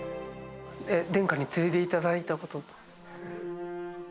殿下についでいただいたこと。